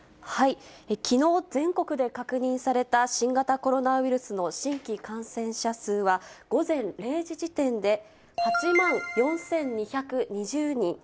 きのう全国で確認された新型コロナウイルスの新規感染者数は、午前０時時点で、８万４２２０人。